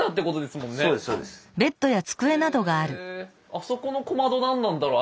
あそこの小窓何なんだろう。